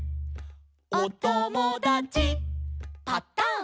「おともだちパタン」